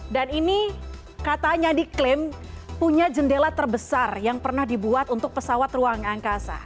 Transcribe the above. dan ini katanya diklaim punya jendela terbesar yang pernah dibuat untuk pesawat ruang angkasa